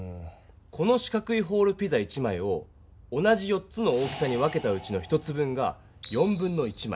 この四角いホールピザ１枚を同じ４つの大きさに分けたうちの１つ分が1/4枚。